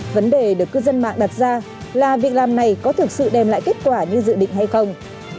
vấn đề được cư dân mạng đặt ra là việc làm này có thực sự đem lại kết quả như dự định hay không